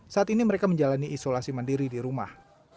saat ini mereka menjalani isolasi mandiri di rumah